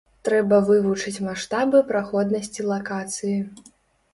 Трэба вывучыць маштабы праходнасці лакацыі.